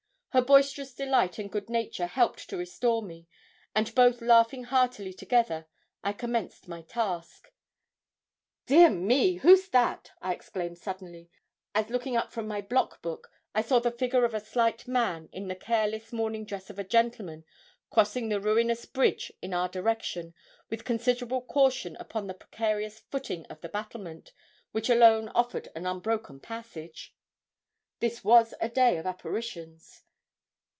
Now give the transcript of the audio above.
Her boisterous delight and good nature helped to restore me, and both laughing heartily together, I commenced my task. 'Dear me! who's that?' I exclaimed suddenly, as looking up from my block book I saw the figure of a slight man in the careless morning dress of a gentleman, crossing the ruinous bridge in our direction, with considerable caution, upon the precarious footing of the battlement, which alone offered an unbroken passage. This was a day of apparitions!